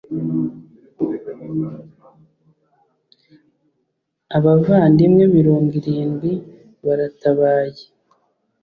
abavandimwe mirongo irindwi baratabaye